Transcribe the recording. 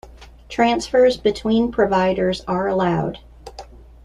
Transfers between providers are allowed.